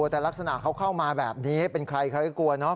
แต่ลักษณะเขาเข้ามาแบบนี้เป็นใครใครก็กลัวเนาะ